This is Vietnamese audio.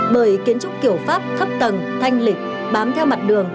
bởi kiến trúc kiểu pháp thấp tầng thanh lịch bám theo mặt đường